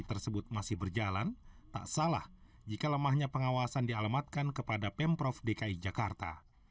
tersebut masih berjalan tak salah jika lemahnya pengawasan dialamatkan kepada pemprov dki jakarta